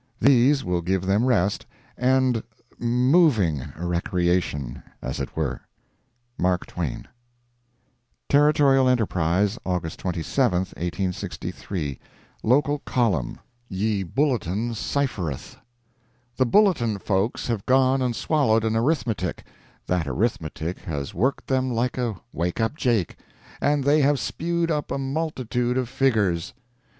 These will give them rest, and moving recreation—as it were. MARK TWAIN Territorial Enterprise, August 27, 1863 LOCAL COLUMN YE BULLETIN CYPHERETH.—The Bulletin folks have gone and swallowed an arithmetic; that arithmetic has worked them like a "wake up Jake," and they have spewed up a multitude of figures.